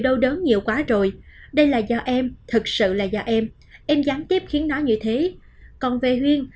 đau đớn nhiều quá rồi đây là do em thực sự là do em em gián tiếp khiến nó như thế còn về huyên